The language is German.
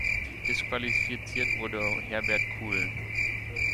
Disqualifiziert wurde Herbert Cool.